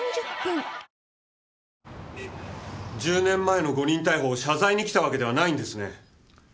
１０年前の誤認逮捕を謝罪に来たわけではないんですね？